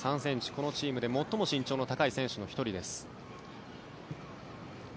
このチームで最も身長の高い選手の１人です。